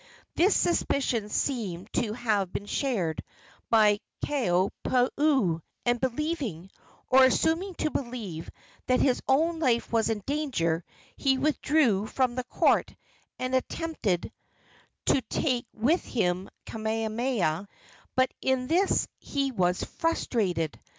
This suspicion seems to have been shared by Kalaniopuu, and believing, or assuming to believe, that his own life was in danger, he withdrew from the court and attempted to take with him Kamehameha; but in this he was frustrated.